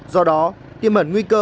do đó tiêm ẩn nguy cơ